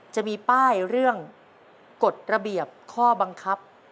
จะมีป้ายเรื่องกฎระเบียบข้อบังคับ